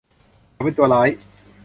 เขาเป็นตัวร้าย